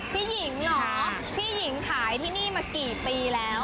พี่หญิงเหรอพี่หญิงขายที่นี่มากี่ปีแล้ว